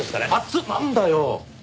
なんだよ！